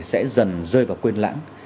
sẽ dần rơi vào quên lãng